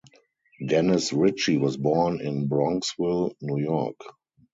Dennis Ritchie was born in Bronxville, New York.